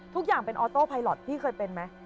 ทุกอย่างเป็นออโต้ไพลอทพี่เคยเป็นไหม